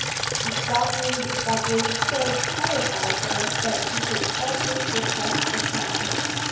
The startling discovery so terrified her that she could hardly repress a sound.